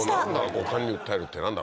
「五感に訴える」って何だ？